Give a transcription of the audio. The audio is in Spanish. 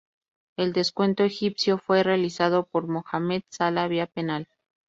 El descuento egipcio fue realizado por Mohamed Salah vía penal.